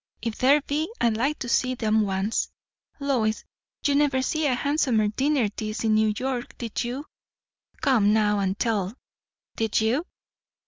"If there be, I'd like to see 'em once. Lois, you never see a handsomer dinner'n this in New York, did you? Come now, and tell. Did you?"